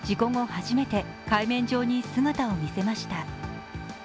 初めて海面上に姿を見せました。